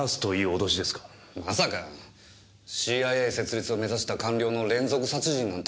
まさかＣＩＡ設立を目指した官僚の連続殺人なんて。